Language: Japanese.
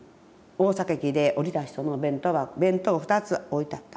大阪駅で降りた人の弁当箱弁当２つ置いてあった。